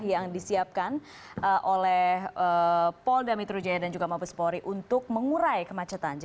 yang disiapkan oleh paul damitrujaya dan juga mabes polri untuk mengurai kemacetan